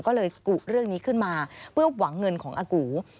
ก็เลยกุเรื่องนี้ขึ้นมาเพื่อหวังเงินของอากู